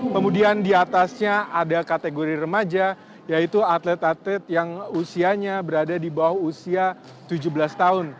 kemudian diatasnya ada kategori remaja yaitu atlet atlet yang usianya berada di bawah usia tujuh belas tahun